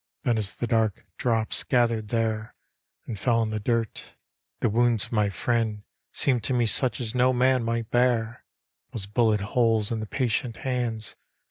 Then as the dark drops gathered there And fell in the dirt, D,gt,, erihyGOOgle The Haunted Hour Tfw wounds of my friend Seemed to me such as no man might bear. Those bullet holes in the patient hands.